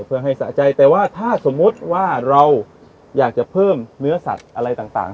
เพื่อให้สะใจแต่ว่าถ้าสมมุติว่าเราอยากจะเพิ่มเนื้อสัตว์อะไรต่าง